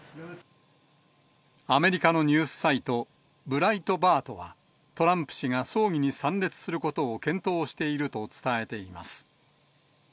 アメリカのニュースサイト、ブライトバートは、トランプ氏が葬儀に参列することを検討していると伝えています。